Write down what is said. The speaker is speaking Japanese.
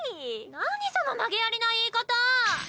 何その投げやりな言い方。